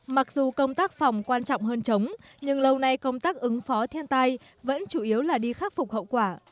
mặc dù công tác phòng quan trọng hơn chống nhưng lâu nay công tác ứng phó thiên tai vẫn chủ yếu là đi khắc phục hậu quả